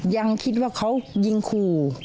ยังคิดว่าเขายิงขู่